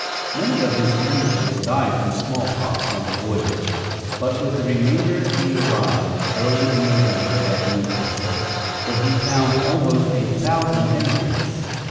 Many of his emigrants died from small pox on the voyage; but with the remainder he arrived, early in November, at New Castle, where he found almost a thousand emigrants.